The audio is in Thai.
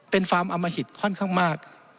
เป็นฟาร์มอมหิตค่อนข้างมาก